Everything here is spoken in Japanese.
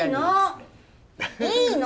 「いいの！」